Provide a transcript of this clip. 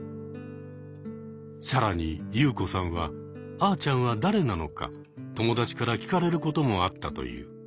更にユウコさんはあーちゃんは誰なのか友達から聞かれることもあったという。